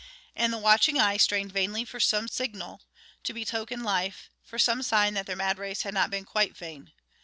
And the watching eyes strained vainly for some signal to betoken life, for some sign that their mad race had not been quite vain.